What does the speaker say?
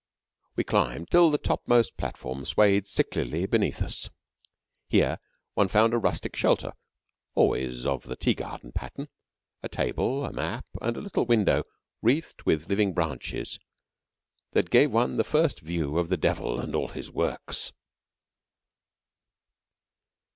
We climbed till the topmost platform swayed sicklily beneath us. Here one found a rustic shelter, always of the tea garden pattern, a table, a map, and a little window wreathed with living branches that gave one the first view of the Devil and all his works.